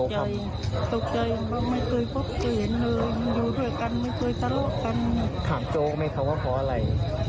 ก็กันตามแม่กับเขาคุย